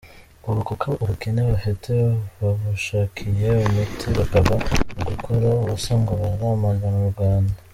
Ubu koko ubukene bafite babushakiye umuti bakava mu gukora ubusa ngo baramagana u Rwanda.